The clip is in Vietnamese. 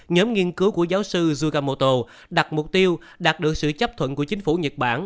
nhóm nghiên cứu của giáo sư zukamoto đặt mục tiêu đạt được sự chấp thuận của chính phủ nhật bản